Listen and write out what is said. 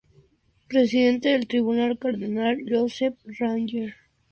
Presidente del tribunal: Cardenal Joseph Ratzinger.